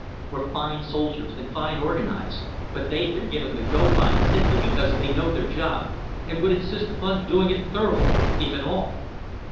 We've fine soldiers and fine organisers, but they've been given the go by simply because they know their job and would insist upon doing it thoroughly, if at all.